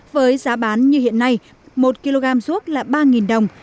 với giá bán như hiện nay một kg ruốc là ba đồng